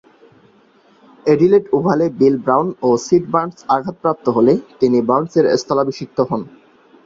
Adelaide ওভালে Bill Brown ও Sid Barnes আঘাতপ্রাপ্ত হলে তিনি বার্নসের স্থলাভিষিক্ত হন।